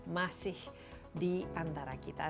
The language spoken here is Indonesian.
masih di antara kita